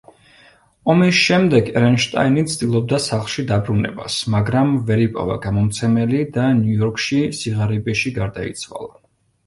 ომის შემდეგ ერენშტაინი ცდილობდა სახლში დაბრუნებას, მაგრამ ვერ იპოვა გამომცემელი და ნიუ-იორკში სიღარიბეში გარდაიცვალა.